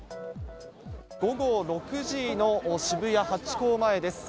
午後６時の渋谷ハチ公前です。